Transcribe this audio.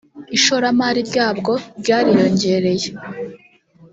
ishoramari ryabwo ryariyongereye